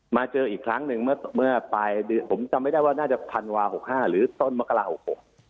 มาเจออีกครั้งหนึ่งเมื่อเมื่อปลายเดือนผมจำไม่ได้ว่าน่าจะพันวาหกห้าหรือต้นมกราหกหก